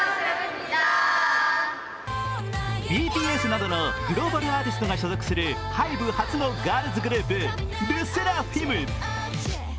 ＢＴＳなどのグローバルアーティストが所属するＨＹＢＥ初のガールズグループ、ＬＥＳＳＥＲＡＦＩＭ。